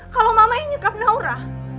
kalau mama yang nyekap naura